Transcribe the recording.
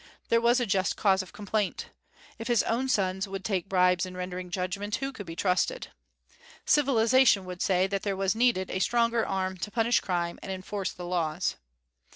There was a just cause of complaint. If his own sons would take bribes in rendering judgment, who could be trusted? Civilization would say that there was needed a stronger arm to punish crime and enforce the laws.